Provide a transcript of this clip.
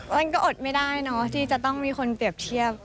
มันก็อดไม่ได้เนาะที่จะต้องมีคนเปรียบเทียบ